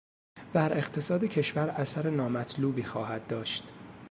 بر اقتصاد کشور اثر نامطلوبی خواهد داشت.